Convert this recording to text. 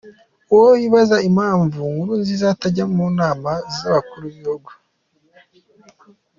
Wowe wibaza impamvu Nkurunziza atajya munama zabakuru bibihugu.